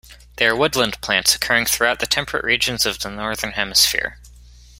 They are woodland plants occurring throughout the temperate regions of the Northern Hemisphere.